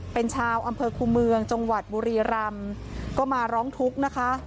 เป็นชาวอำเภอคูเมืองจังหวัดบุรีรำก็มาร้องทุกข์นะคะ